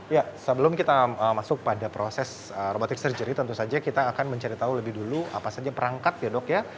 ya sebelum kita masuk pada proses robotic surgery tentu saja kita akan mencari tahu lebih dulu apa saja perangkat ya dok ya